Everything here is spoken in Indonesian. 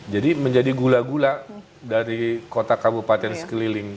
menjadi gula gula dari kota kabupaten sekeliling